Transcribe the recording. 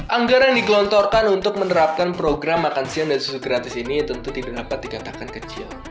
anggaran yang digelontorkan untuk menerapkan program makan siang dan susu gratis ini tentu tidak dapat dikatakan kecil